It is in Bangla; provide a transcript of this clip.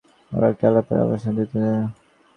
বাঙালি মেয়েদের সঙ্গেও তাহাকে বড়ো-একটা আলাপের অবসব দিতেন না।